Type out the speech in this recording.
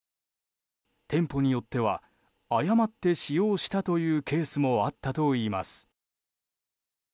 店舗によっては誤って使用したというケースもあったといいます。